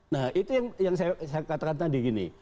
nah itu yang saya katakan tadi gini